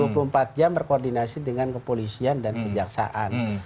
dua puluh empat jam berkoordinasi dengan kepolisian dan kejaksaan